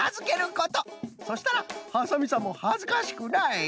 そしたらハサミさんもはずかしくない。